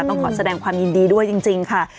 ต้องขอแสดงความยินดีด้วยจริงค่ะ